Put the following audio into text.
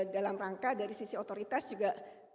dalam rangka dari sisi otoritas juga